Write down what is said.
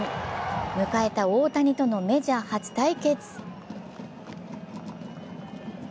迎えた大谷とのメジャー初対決。